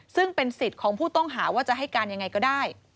ซึ่งเป็นสิทธิ์ของผู้ต้องหาว่าจะให้การยังไงก็ได้